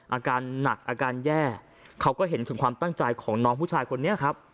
อาการหนักอาการแย่เขาก็เห็นถึงความตั้งใจของน้องผู้ชายคนนี้ครับ